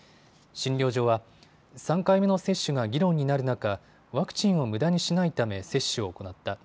診療所は、３回目の接種が議論になる中、ワクチンをむだにしないため接種を行った。